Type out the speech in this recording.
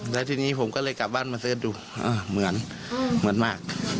แล้วทีนี้ผมก็เลยกลับบ้านมาเสิร์ชดูเหมือนเหมือนมาก